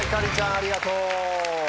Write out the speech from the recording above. ありがとう。